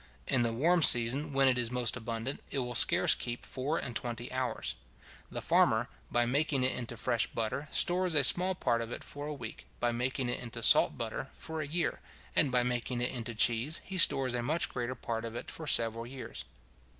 In the warm season, when it is most abundant, it will scarce keep four and twenty hours. The farmer, by making it into fresh butter, stores a small part of it for a week; by making it into salt butter, for a year; and by making it into cheese, he stores a much greater part of it for several years.